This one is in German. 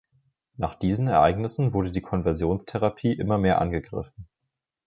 Nach diesen Ereignissen wurde die Konversionstherapie immer mehr angegriffen.